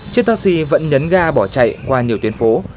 chiếc taxi vẫn nhấn ga bỏ chạy qua nhiều tuyến phố